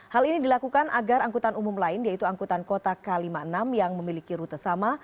hal ini dilakukan agar angkutan umum lain yaitu angkutan kota k lima puluh enam yang memiliki rute sama